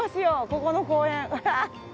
ここの公園。